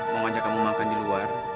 mau ngajak kamu makan di luar